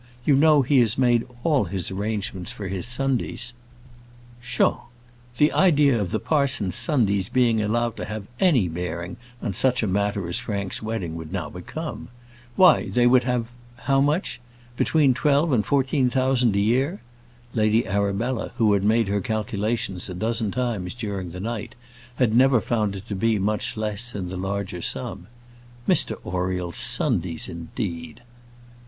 You know he has made all his arrangements for his Sundays " Pshaw! The idea of the parson's Sundays being allowed to have any bearing on such a matter as Frank's wedding would now become! Why, they would have how much? Between twelve and fourteen thousand a year! Lady Arabella, who had made her calculations a dozen times during the night, had never found it to be much less than the larger sum. Mr Oriel's Sundays, indeed!